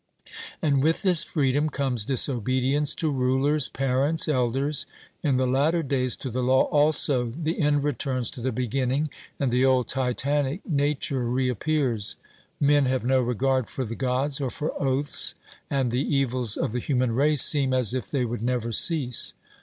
And with this freedom comes disobedience to rulers, parents, elders, in the latter days to the law also; the end returns to the beginning, and the old Titanic nature reappears men have no regard for the Gods or for oaths; and the evils of the human race seem as if they would never cease.